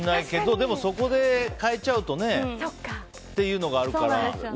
でもそこで変えちゃうとっていうのがあるしね。